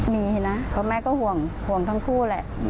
มีนะเพราะแม่ก็ห่วงห่วงทั้งคู่แหละ